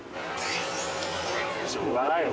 しょうがないよ。